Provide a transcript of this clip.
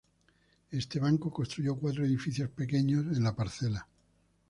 Este banco construyó cuatro edificios pequeños en la parcela.